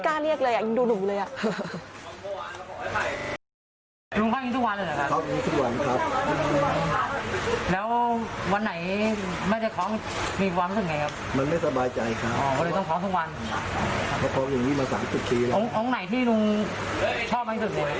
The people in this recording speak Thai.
แสงชัยหน่อยไม่กล้าเรียกเลยอ่ะยังดูหนุ่มเลยอ่ะ